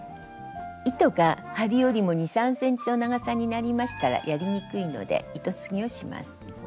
糸が針よりも２３ｃｍの長さになりましたらやりにくいので糸継ぎをします。